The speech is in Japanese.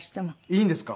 いいんですか？